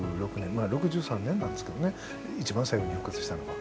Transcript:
まあ６３年なんですけどね一番最後に復活したのは。